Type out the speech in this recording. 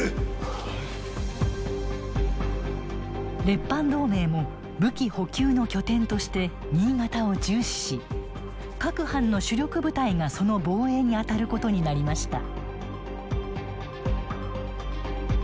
列藩同盟も武器補給の拠点として新潟を重視し各藩の主力部隊がその防衛に当たることになりました。